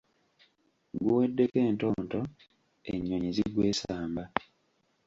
Guweddeko entonto, ennyonyi zigwesamba.